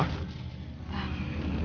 kamu gak apa apa